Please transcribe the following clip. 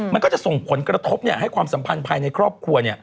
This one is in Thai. มันก็จะส่งผลกระทบให้ความสัมพันธ์ภายในครอบครัว